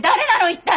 一体！